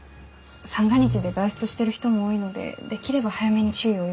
三が日で外出してる人も多いのでできれば早めに注意を呼びかけたいんですが。